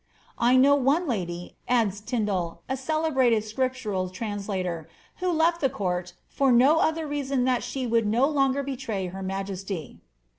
^'^ I know one lady,^ adds Tindal, the celebrated Scriptural translator. ^ who left the court, for no other reason than that she would no longer betray her majesty.